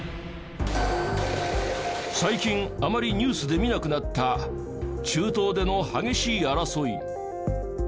最近、あまりニュースで見なくなった中東での激しい争い。